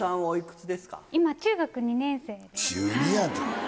今中学２年生です。